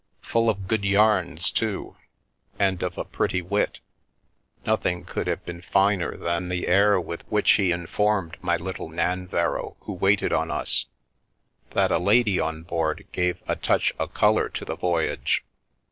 Full of good yarns, too, and of a pretty wit; nothing could have been finer than the air with which he in The Milky Way formed my little Nanverrow, who waited on us, that " a lady on board gave a touch o' colour to the voyage."